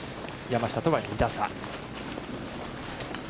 山下とは２打差。